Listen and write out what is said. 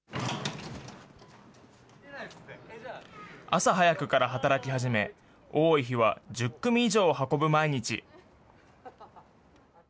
朝早くから働き始め、多い日は１０組以上を運ぶ毎日。